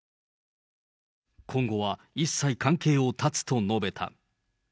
今後は一切関係を断つと述べた。